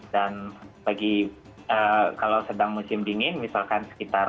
dan kalau sedang musim dingin misalkan sekitar